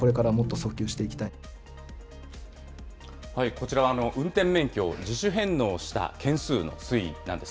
こちらは運転免許を自主返納した件数の推移なんです。